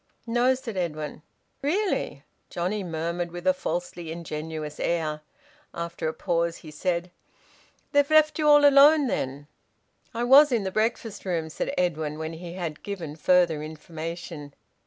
"No," said Edwin. "Really!" Johnnie murmured, with a falsely ingenuous air. After a pause he said: "They've left you all alone, then?" "I was in the breakfast room," said Edwin, when he had given further information.